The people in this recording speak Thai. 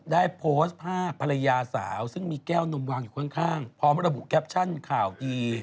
ได้โพสต์ภาพภรรยาสาวซึ่งมีแก้วนมวางอยู่ข้างพร้อมระบุแคปชั่นข่าวดี